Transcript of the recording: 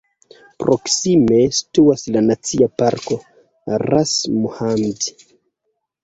Proksime situas la nacia parko "Ras Mohammed".